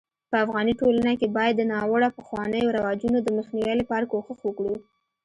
په افغاني ټولنه کي بايد د ناړوه پخوانيو رواجونو دمخ نيوي لپاره کوښښ وکړو